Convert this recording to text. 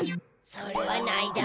それはないだ。